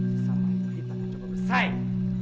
sesama itu kita akan coba bersaing